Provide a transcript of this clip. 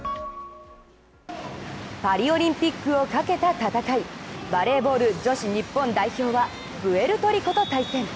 パリオリンピックをかけた戦い、バレーボール女子日本代表はプエルトリコと対戦。